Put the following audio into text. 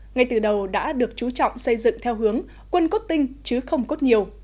ngay từ đầu đã được chú trọng xây dựng theo hướng quân cốt tinh chứ không cốt nhiều